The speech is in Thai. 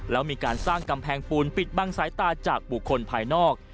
แล้วมีการสร้างกำแพงปูนปิดบังสายตาจากบุคคลภายนอก